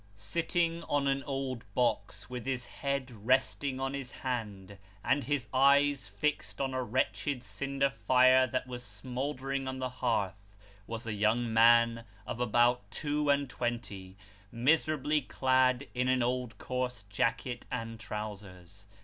Sitting on an old box, with his head resting on his hand, and his eyes fixed on a wretched cinder fire that was smouldering on the hearth, was a young man of about two and twenty, miserably clad in an old coarse jacket and trousers.